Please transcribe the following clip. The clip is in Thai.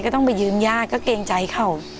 ก็ต้องไปยืมญาติก็เกรงใจเขา